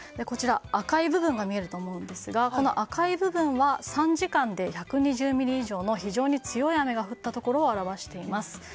赤い部分が見えると思うんですが赤い部分は３時間で１２０ミリ以上の非常に強い雨が降ったところを表しています。